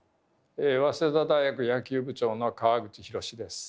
早稲田大学野球部部長の川口浩です。